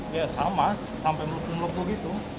ya sama sampai melupu melupu gitu